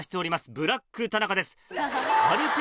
ブラック田中です。